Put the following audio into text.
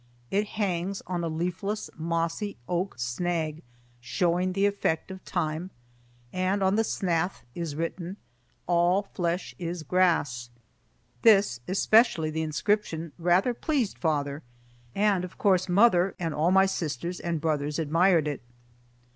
It hangs on a leafless mossy oak snag showing the effect of time, and on the snath is written, "All flesh is grass." This, especially the inscription, rather pleased father, and, of course, mother and all my sisters and brothers admired it.